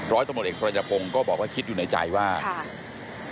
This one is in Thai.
ร้อยตำรวจเอกสรยพงศ์ก็บอกว่าคิดอยู่ในใจว่าค่ะ